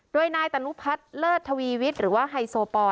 โดยนายตนุพัฒน์เลิศทวีวิทย์หรือว่าไฮโซปอล